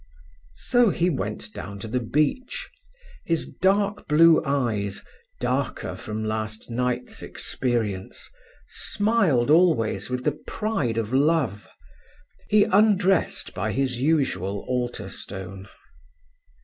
So he went down to the beach; his dark blue eyes, darker from last night's experience, smiled always with the pride of love. He undressed by his usual altar stone.